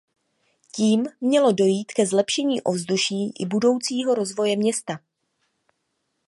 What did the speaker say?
Tím mělo dojít ke zlepšení ovzduší i budoucího rozvoje města.